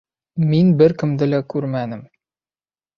Мин бер кемде лә күрмәнем.